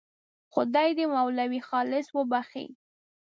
خدای دې مولوي خالص وبخښي.